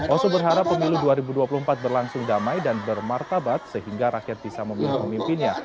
oso berharap pemilu dua ribu dua puluh empat berlangsung damai dan bermartabat sehingga rakyat bisa memilih pemimpinnya